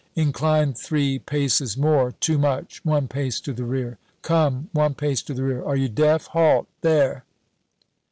"Incline three paces more too much one pace to the rear. Come, one pace to the rear are you deaf? Halt! There!"